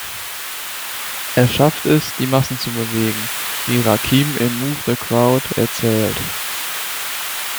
Er schafft es, die Massen zu bewegen, wie Rakim in "Move The Crowd" erzählt.